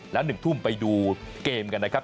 แล้ว๑ทุ่มไปดูเกมกันนะครับ